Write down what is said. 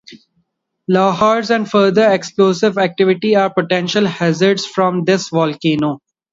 Lahars and further explosive activity are potential hazards from this volcano.